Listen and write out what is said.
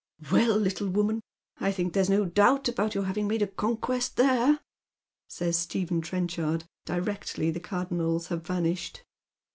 " Well, little woman, I think there's no doubt about your hav ing made a conquest there," says Stephen Trenchard, directly the Cardonnels have vanished.